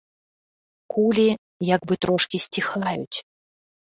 Кулі як бы трошкі сціхаюць.